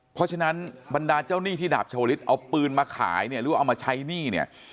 เพราะฉะนั้นบรรดาเจ้าหนี้ที่ดาบชาวลิศเอาปืนมาขายเนี่ยหรือว่าเอามาใช้หนี้เนี่ย